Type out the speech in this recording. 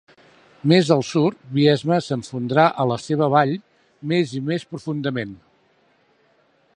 Més al sud, Biesme s'esfondra a la seva vall més i més profundament.